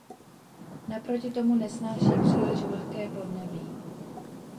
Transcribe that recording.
Naproti tomu nesnáší příliš vlhké podnebí.